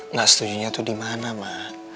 nggak setujunya tuh di mana ma